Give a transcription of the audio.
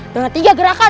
dengan tiga gerakan